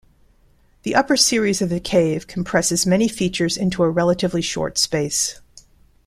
The upper series of the cave compresses many features into a relatively short space.